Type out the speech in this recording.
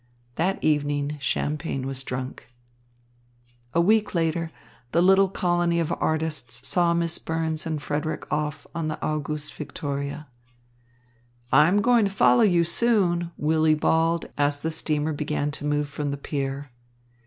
That evening champagne was drunk. A week later the little colony of artists saw Miss Burns and Frederick off on the Auguste Victoria. "I am going to follow you soon," Willy bawled as the steamer began to move from the pier.